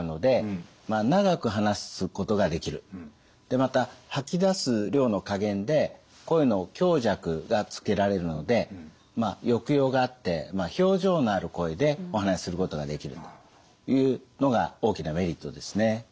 でまた吐き出す量の加減で声の強弱がつけられるので抑揚があって表情のある声でお話しすることができるというのが大きなメリットですね。